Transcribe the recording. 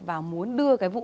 và muốn đưa cái vụ